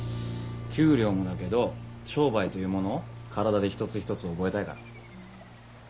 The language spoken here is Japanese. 給料もだけど商売というものを体で一つ一つ覚えたいから。